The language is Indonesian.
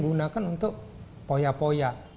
gunakan untuk poya poya